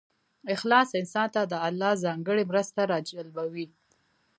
اخلاص انسان ته د الله ځانګړې مرسته راجلبوي.